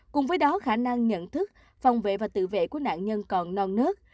cùng với đó khả năng nhận thức phòng vệ và tự vệ của nạn nhân còn non nớt